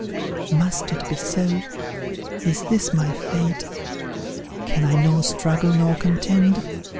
"Must it be so? Is this my fate? Can I nor struggle, nor contend?